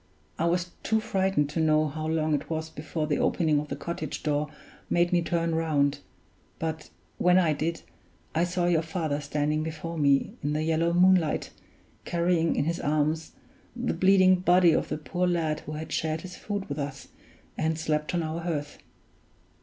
I was too frightened to know how long it was before the opening of the cottage door made me turn round; but when I did, I saw your father standing before me in the yellow moonlight, carrying in his arms the bleeding body of the poor lad who had shared his food with us and slept on our hearth.